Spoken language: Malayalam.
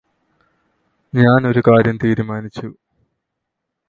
ഞാന് ഒരു കാര്യം തീരുമാനിച്ചു